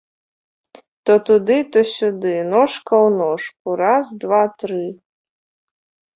То туды, то сюды, ножка ў ножку, раз, два, тры!